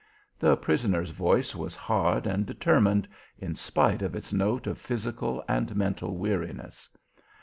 The prisoner's voice was hard and determined in spite of its note of physical and mental weariness.